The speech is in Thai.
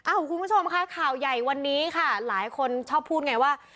คุณผู้ชมค่ะข่าวใหญ่วันนี้ค่ะหลายคนชอบพูดไงว่า